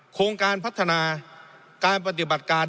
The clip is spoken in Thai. โครงการพัฒนาการปฏิบัติการ